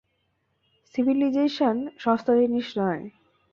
Civilisation সস্তা জিনিস নয়।